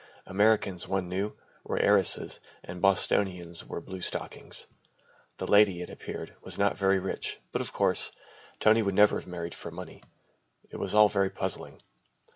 Americans, one knew, were heiresses and Bostonians were blue stockings. The lady, it appeared, was not very rich, but of course, Tony would never have married for money. It was all very puzzling.